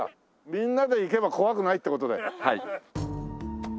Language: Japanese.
みんなで行けば怖くないって事だよ。